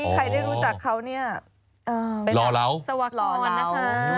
ใครได้รู้จักเค้านี่เป็นอีสัวข่อนนะคะ